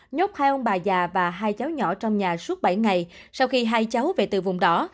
nhốt hai ông bà già và hai cháu nhỏ trong nhà suốt bảy ngày sau khi hai cháu về từ vùng đỏ